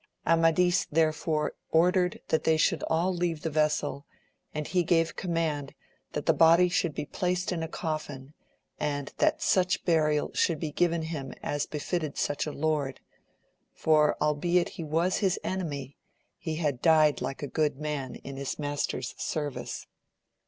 Amadis therefore ordered that they should all leave the vessel, and he gave com mand that the body should be placed in a coffin, and that such burial should be given him as befitted such a lord, for albeit he was his enemy, he had died like a, good man in his master's service.